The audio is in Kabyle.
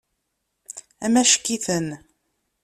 Amack-iten.